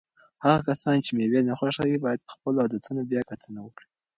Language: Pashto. هغه کسان چې مېوې نه خوښوي باید په خپلو عادتونو بیا کتنه وکړي.